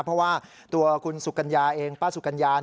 เพราะว่าตัวคุณสุกัญญาเองป้าสุกัญญา